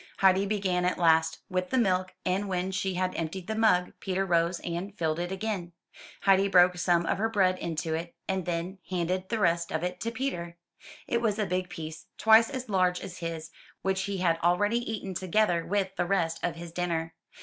Heidi began at last, with the milk; and when she had emptied the mug, Peter rose and filled it again. Heidi broke some of her bread into it, and then handed the rest of it to Peter. It was a big piece, twice as large as his, which he had already eaten, together with the rest of his dinner.